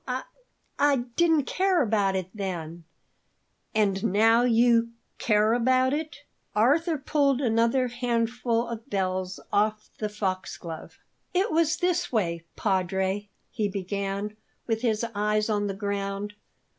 I I didn't care about it then." "And now you care about it?" Arthur pulled another handful of bells off the foxglove. "It was this way, Padre," he began, with his eyes on the ground.